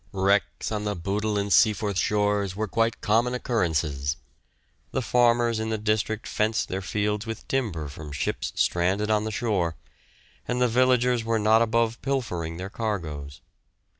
Wrecks on the Bootle and Seaforth shores were quite common occurrences. The farmers in the district fenced their fields with timber from ships stranded on the shore, and the villagers were not above pilfering their cargoes.